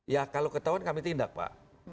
ya kalau ketahuan kami tindak pak